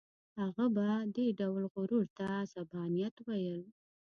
هغه به دې ډول غرور ته عصبانیت ویل.